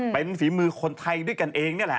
เป็นฝีมือคนไทยด้วยกันเองนี่แหละ